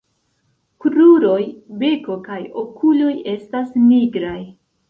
Kruroj, beko kaj okuloj estas nigraj.